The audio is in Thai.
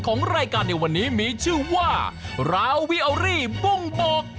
ของรายการในวันนี้มีชื่อว่าราวีออรี่บุ้งบอก